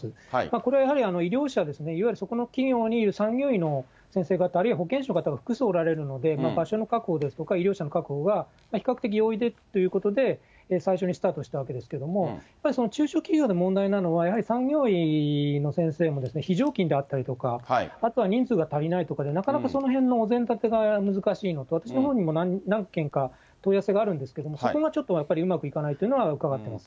これやはり医療者ですね、いわゆるそこの企業にいる産業医の先生方、あるいは保健師の方が複数おられるので、場所の確保ですとか医療者の確保が比較的容易でということで、最初にスタートしたわけですけれども、やっぱりその中小企業で問題なのは、やはり産業医の先生も非常勤であったりとか、あとは人数が足りないとかで、なかなかそのへんのお膳立てが難しいのと、私のほうにも何件か問い合わせがあるんですけれども、そこがちょっとやっぱりうまくいかないというのは伺ってます。